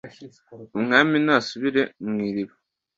umwami ntasubire mw'iriba